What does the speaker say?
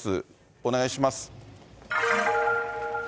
お願いします。